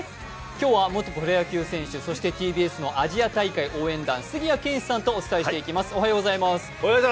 今日は元プロ野球選手、そしてＴＢＳのアジア大会応援団、杉谷拳士さんとお伝えしていきます。